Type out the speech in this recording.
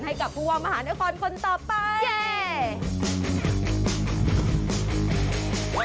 ให้กับผู้ว่ามหานครคนต่อไป